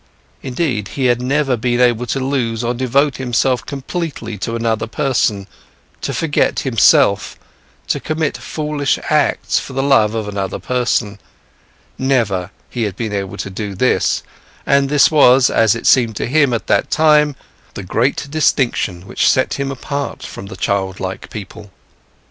Indeed, he had never been able to lose or devote himself completely to another person, to forget himself, to commit foolish acts for the love of another person; never he had been able to do this, and this was, as it had seemed to him at that time, the great distinction which set him apart from the childlike people.